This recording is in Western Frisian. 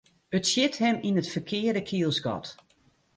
It sjit him yn it ferkearde kielsgat.